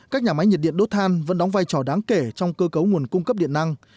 các nhà máy nhiệt điện đốt than vẫn đóng vai trò đáng kể trong cơ cấu nguồn cung cấp điện năng